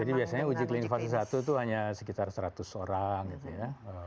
jadi biasanya uji klinis fase satu itu hanya sekitar seratus orang gitu ya